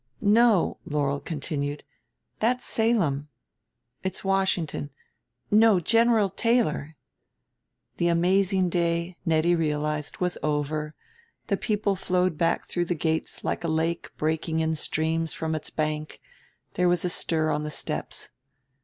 "No," Laurel continued, "that's Salem.... It's Washington, no, General Taylor." The amazing day, Nettie realized, was over, the people flowed back through the gates like a lake breaking in streams from its bank; there was a stir on the steps.